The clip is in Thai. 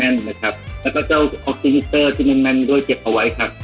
นะครับแล้วก็เจ้าที่๑๙๑๘ด้วยเก็บเอาไว้ครับ